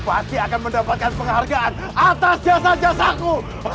pasti akan mendapatkan penghargaan atas jasa jasaku